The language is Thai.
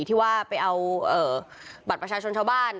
ที่ว่าไปเอาบัตรประชาชนชาวบ้าน